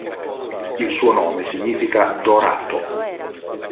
Il suo nome significa "dorato".